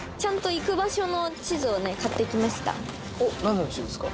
何の地図ですか？